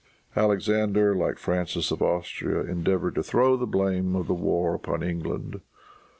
Alexander, like Francis of Austria, endeavored to throw the blame of the war upon England.